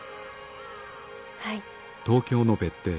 はい。